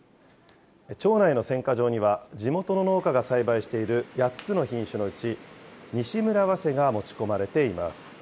町内の選果場には地元の農家が栽培している８つの品種のうち、西村早生が持ち込まれています。